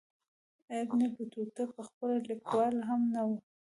ابن بطوطه پخپله لیکوال هم نه وو.